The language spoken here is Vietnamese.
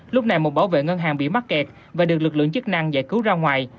lúc này một bảo vệ ngân hàng bị mắc kẹt và được lực lượng chức năng giải cứu ra ngoài